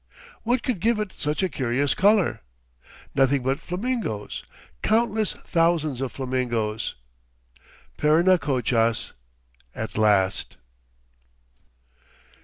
What could give it such a curious color? Nothing but flamingoes, countless thousands of flamingoes Parinacochas at last!